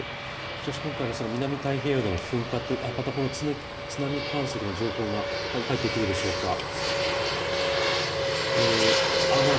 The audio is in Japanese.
しかし今回のその南太平洋での噴火というところを含め津波観測の情報が入ってくるでしょうか？